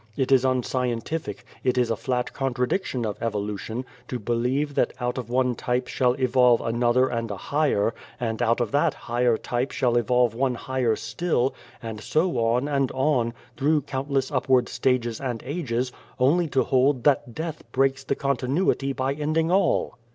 It is unscien 92 Beyond the Door tific, it is a flat contradiction of Evolution, to believe that out of one type shall evolve another and a higher, and out of that higher type shall evolve one higher still, and so on, and on, through countless upward stages and ages only to hold that death breaks the continuity by ending all.